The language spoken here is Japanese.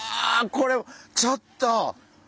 これちょっと！